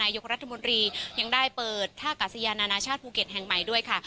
ยกรัฐมนตรียังได้เปิดท่ากาศยานานาชาติภูเก็ตแห่งใหม่ด้วยค่ะ